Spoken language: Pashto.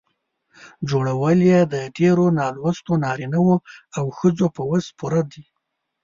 جوړول یې د ډېرو نالوستو نارینه وو او ښځو په وس پوره دي.